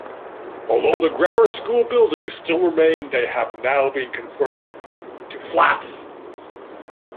Although the Grammar School buildings still remain they have now been converted to flats.